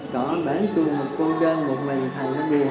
có nha mấy cô đơn cũng một mình thành gia đình